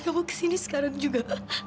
kamu kesini sekarang juga